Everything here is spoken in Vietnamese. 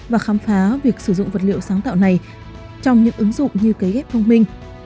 và khám phá việc sử dụng vật liệu sáng tạo này trong những ứng dụng như cấy ghép thông minh